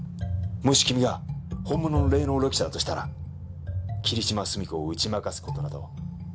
もし君が本物の霊能力者だとしたら霧島澄子を打ち負かす事などわけないはずだろ。